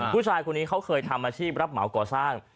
ผู้ชายคนนี้เขาเคยทำอาชีพรับเหมาก่อสร้าง